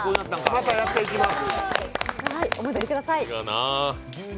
またやっていきます。